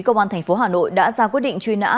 công an tp hà nội đã ra quyết định truy nã